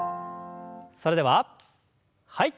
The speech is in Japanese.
それでははい。